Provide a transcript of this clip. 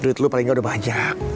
duit lu paling gak udah banyak